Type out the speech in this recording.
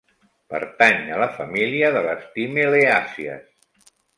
Pertany a la família de les timeleàcies.